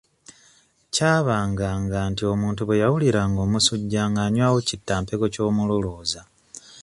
Kyabanga nga nti omuntu bwe yawuliranga omusujja ng'anywayo kitampeko ky'omululuuza.